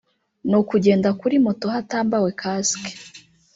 ni ukugenda kuri moto hatambawe kasike